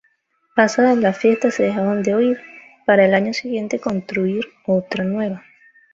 Pasadas las fiestas se dejaban de oír, para el año siguiente construir otra nueva.